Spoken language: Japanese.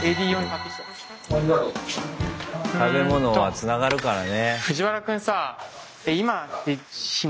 食べ物はつながるからね。